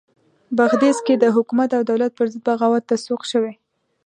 بغدیس کې د حکومت او دولت پرضد بغاوت ته سوق شوي.